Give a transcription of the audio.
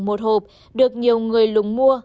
một hộp được nhiều người lùng mua